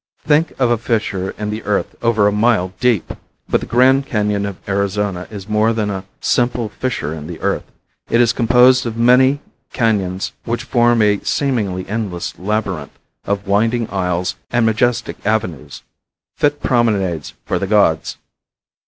Think of a fissure in the earth over a mile deep! But the Grand Canon of Arizona is more that a simple fissure in the earth. It is composed of many canons which form a seemingly endless labyrinth of winding aisles and majestic avenues fit promenades for the Gods.